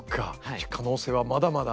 じゃあ可能性はまだまだ？